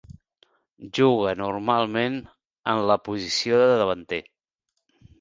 Juga normalment en la posició de davanter.